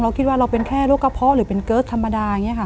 คิดว่าเราเป็นแค่โรคกระเพาะหรือเป็นเกิร์ตธรรมดาอย่างนี้ค่ะ